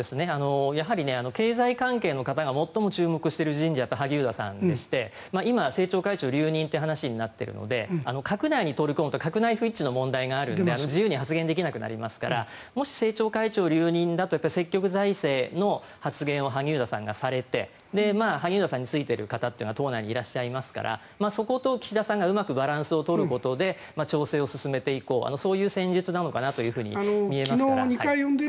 やはり経済関係の方が最も注目している人事は萩生田さんでして今、政調会長留任という話になっているので閣内に取り込むと閣内不一致の問題があるので自由に発言できなくなりますからもし政調会長留任だと積極財政の発言を萩生田さんがされて萩生田さんについている方が党内にいらっしゃいますからそこと岸田さんがうまくバランスを取ることで調整を進めていこうそういう戦術なのかなとみてますね。